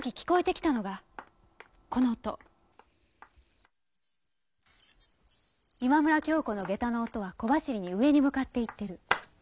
今村恭子の下駄の音は小走りに上に向かっていってる。